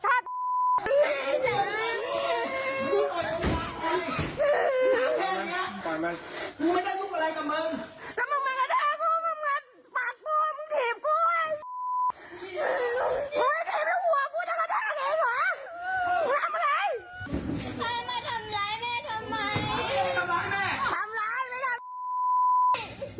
ทำร้ายแม่ทำร้าย